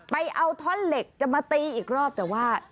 ไปเอาท่อนเหล็กจะมาตีอีกรอบแต่ว่า